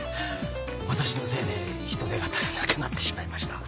私のせいで人手が足りなくなってしまいました。